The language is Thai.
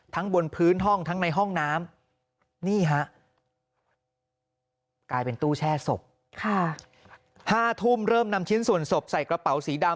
บนพื้นห้องทั้งในห้องน้ำนี่ฮะกลายเป็นตู้แช่ศพ๕ทุ่มเริ่มนำชิ้นส่วนศพใส่กระเป๋าสีดำ